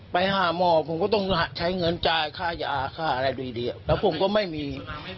ไปหาหมอผมก็ต้องใช้เงินจ่ายค่ายาค่าอะไรดีแล้วผมก็ไม่มี